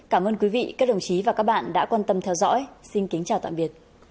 cảm ơn các bạn đã theo dõi và hẹn gặp lại